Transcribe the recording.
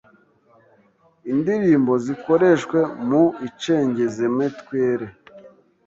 Indirimbo zikoreshwe mu icengezemetwere